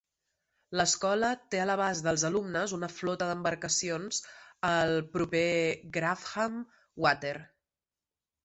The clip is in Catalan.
L'escola té a l'abast dels alumnes una flota d'embarcacions al proper Grafham Water.